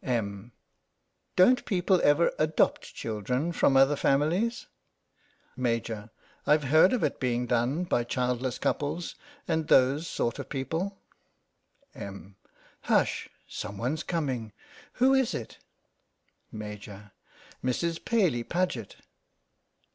Em. : Don't people ever adopt children from other families ? Maj. : I've heard of it being done by child less couples, and those sort of people THE BAKER'S DOZEN iii Em, : Hush ! Some one's coming. Who is it? Maj. : Mrs. Paly Paget.